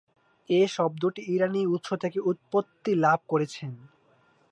এই শব্দটি ইরানি উৎস থেকে উৎপত্তি লাভ করেছেন।